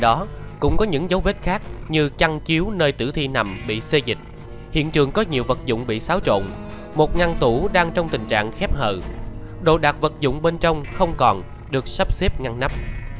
không có những dấu vết khác như chăn chiếu nơi tử thi nằm bị xê dịch hiện trường có nhiều vật dụng bị xáo trộn một ngăn tủ đang trong tình trạng khép hợ độ đạt vật dụng bên trong không còn được sắp xếp ngăn nắp